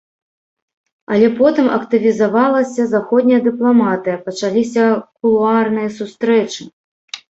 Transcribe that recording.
Але потым актывізавалася заходняя дыпламатыя, пачаліся кулуарныя сустрэчы.